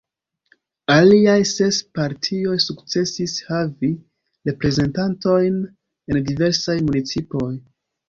Aliaj ses partioj sukcesis havi reprezentantojn en diversaj municipoj.